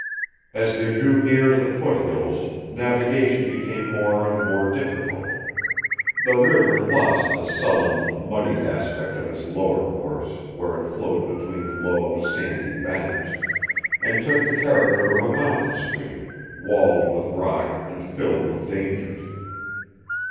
As they drew near to the foothills, navigation became more and more difficult. The river lost the sullen, muddy aspect of its lower course, where it flowed between low, sandy banks, and took the character of a mountain stream, walled with rock and filled with dangers.